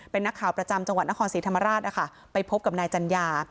เป็นนักข่าวประจำจังหวัดนครศรีธรรมราชนะคะไปพบกับนายจัญญา